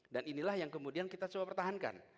inilah yang kemudian kita coba pertahankan